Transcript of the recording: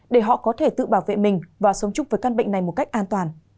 để họ có thể tự bảo vệ mình và sống chung với căn bệnh này một cách an toàn